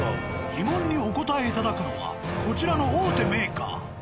疑問にお答えいただくのはこちらの大手メーカー。